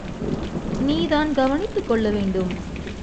நீ தான் கவனித்துக் கொள்ளவேண்டும்.